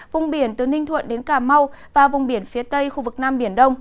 vùng biển từ ninh thuận đến cà mau và vùng biển phía tây khu vực nam biển đông